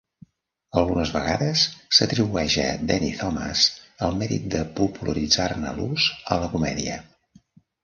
Algunes vegades s'atribueix a Danny Thomas el mèrit de popularitzar-ne l'ús a la comèdia.